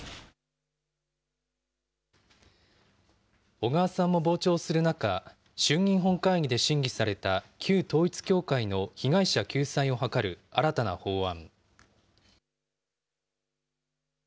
小川さんも傍聴する中、衆議院本会議で審議された、旧統一教会の被害者救済を図る新たな法案。